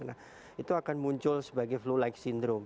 nah itu akan muncul sebagai flu like syndrome